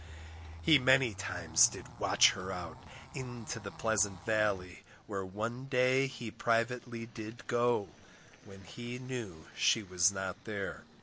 He many times did watch her out, Into the pleasant valley, where One day he privately did go, When he knew she was not there.